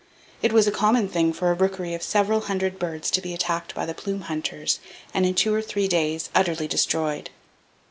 It was a common thing for a rookery of several hundred birds to be attacked by the plume hunters, and in two or three days utterly destroyed.